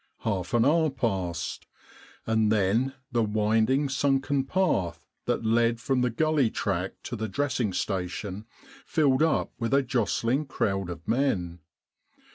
Half an hour passed. And then the winding sunken path that led from the gully track to the dressing station filled up with a jostling crowd of men.